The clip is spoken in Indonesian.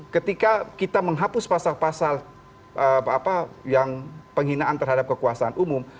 ketika kita menghapus pasal pasal yang penghinaan terhadap kekuasaan umum